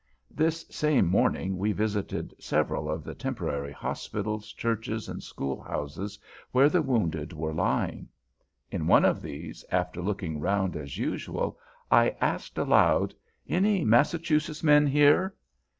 This same morning we visited several of the temporary hospitals, churches and school houses, where the wounded were lying. In one of these, after looking round as usual, I asked aloud, "Any Massachusetts men here?"